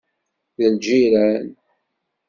D lǧiran.